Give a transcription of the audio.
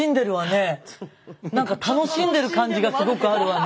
なんか楽しんでる感じがすごくあるわね。